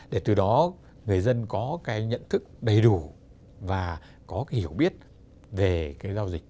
để từ đó người dân có cái nhận thức đầy đủ và có cái hiểu biết về cái giao dịch